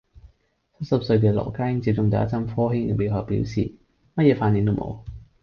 七十幾歲嘅羅家英接種第一針科興疫苗後表示：乜嘢反應都冇